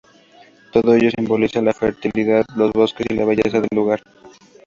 Todo ello simboliza la fertilidad, los bosques y la belleza del lugar.